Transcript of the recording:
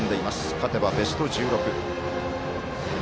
勝てばベスト１６。